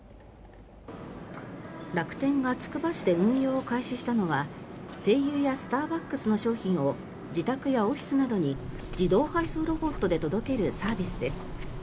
楽天がつくば市で運用を開始したのは西友やスターバックスの商品を自宅やオフィスなどに自動配送ロボットで届けるサービスです。